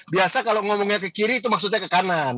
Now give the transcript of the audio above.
biasa kalau ngomongnya ke kiri itu maksudnya ke kanan